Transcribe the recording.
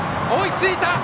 追いついた！